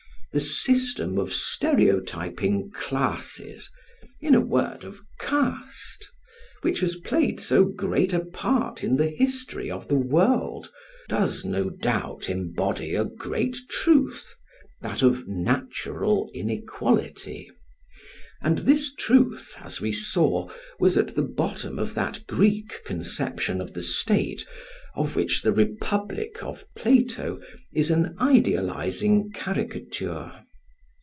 The system of stereotyping classes in a word, of caste which has played so great a part in the history of the world, does no doubt embody a great truth, that of natural inequality; and this truth, as we saw, was at the bottom of that Greek conception of the state, of which the "Republic" of Plato is an idealising caricature.